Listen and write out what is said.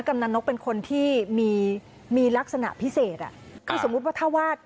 กำลังนกเป็นคนที่มีมีลักษณะพิเศษอ่ะคือสมมุติว่าถ้าวาด